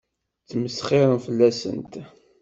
Ttmesxiṛen fell-asent.